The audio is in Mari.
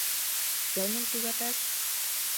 Йылмым тӱгаташ?